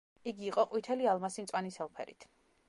იგი იყო ყვითელი ალმასი მწვანის ელფერით.